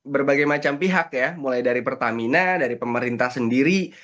berbagai macam pihak ya mulai dari pertamina dari pemerintah sendiri